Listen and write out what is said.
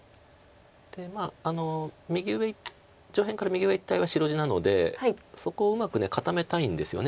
右上上辺から右上一帯は白地なのでそこをうまく固めたいんですよね